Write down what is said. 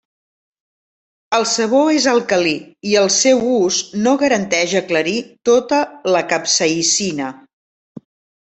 El Sabó és alcalí, i el seu ús no garanteix aclarir tota la capsaïcina.